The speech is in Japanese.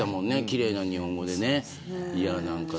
きれいな日本語でね。